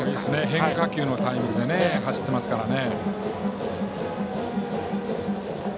変化球のタイミングで走ってますからね。